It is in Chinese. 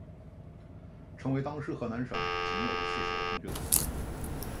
成为当时河南省仅有的四所中学堂之一。